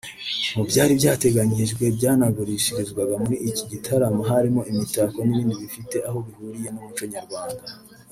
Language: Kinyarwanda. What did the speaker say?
Mu byari byateganyijwe byanagurishirizwaga muri iki gitaramo harimo imitako n'ibindi bifite aho bihuriye n'umuco nyarwanda